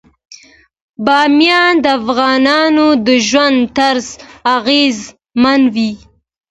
بامیان د افغانانو د ژوند طرز اغېزمنوي.